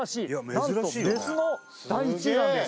なんとメスの第１位なんです